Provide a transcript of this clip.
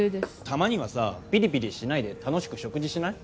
たまにはさピリピリしないで楽しく食事しない？